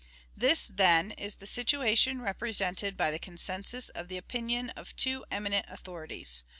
This, then, is the situation represented by the consenus of opinion of two eminent authorities.